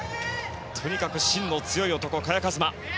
とにかく芯の強い男、萱和磨。